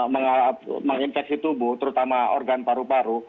menginfeksi tubuh terutama organ paru paru